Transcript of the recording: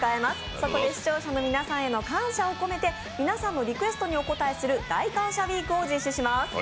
そこで視聴者の皆さんへの感謝を込めて、皆さんのリクエストにお応えする大感謝ウイークを実施します。